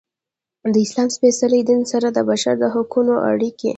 د اسلام سپیڅلي دین سره د بشر د حقونو اړیکې.